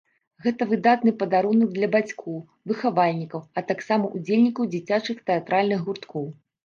Гэта выдатны падарунак для бацькоў, выхавальнікаў, а таксама ўдзельнікаў дзіцячых тэатральных гурткоў.